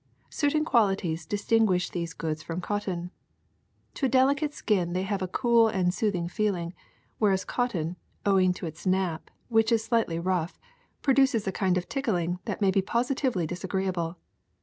Certain qualities distinguish these goods from cot ton. To a delicate skin they have a cool and soothing feeling, whereas cotton, owing to its nap, which is slightly rough, produces a kind of tickling that may be positively disagreeable.